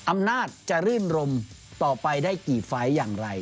อำนาจจะรื่นรมต่อไปได้กี่ไฟล์อย่างไร